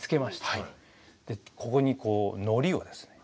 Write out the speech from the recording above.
ここにこうのりをですね